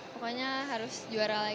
pokoknya harus juara lagi